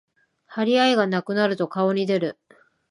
張り合いがなくなると顔に出る